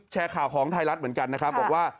แชร์ข่าวของไทยรัฐเหมือนกันนะครับบอกว่า